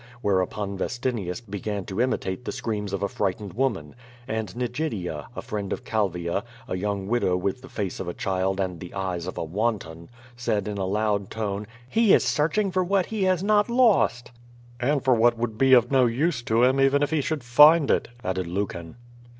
Whereupon Vestinius began to imitate the screams of a frightened woman. And Nigidia, a friend of Calvia, a young widow with the face of a child and the eyes of a wanton, said in a loud tone: "He is searching for what he has not lost" 6^ QVO VADTS, *^And for what would be of no use to him, even if he should find it/^ added Luean.